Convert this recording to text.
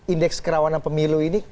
indeks kerawanan pemilu ini